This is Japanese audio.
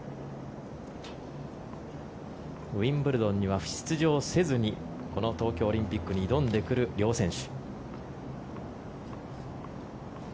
ウィンブルドンには出場せずにこの東京オリンピックに挑んでくる両選手。